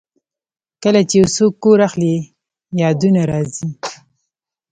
کله چې یو څوک کور اخلي، یادونه راځي.